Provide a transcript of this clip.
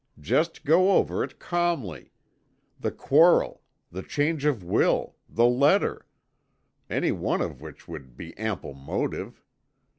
Just go over it calmly. The quarrel, the change of will, the letter any one of which would be ample motive.